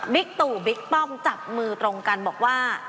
ตู่บิ๊กป้อมจับมือตรงกันบอกว่า